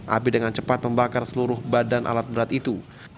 api dengan cepat membakar seluruh badan alat berat itu